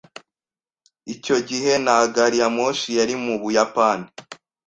Icyo gihe nta gari ya moshi yari mu Buyapani.